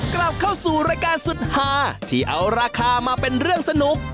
กลับเข้าสู่รายการสุดหาที่เอาราคามาเป็นเรื่องสนุก